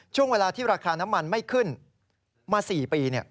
ช่วงเวลาที่ราคาน้ำมันไม่ขึ้นมา๔ปี